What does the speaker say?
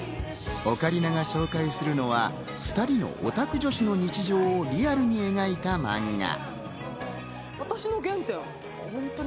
オカリナが紹介するのは２人のオタク女子の日常をリアルに描いたマンガ。